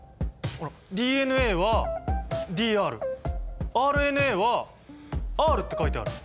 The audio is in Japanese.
ＤＮＡは「ｄＲ」ＲＮＡは「Ｒ」って書いてある！